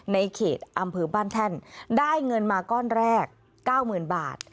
ในเขตอำเภอบ้านแท่นได้เงินมาก้อนแรก๙๐๐๐บาท